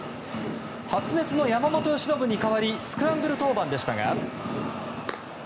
発熱の山本由伸に代わりスクランブル登板でしたが。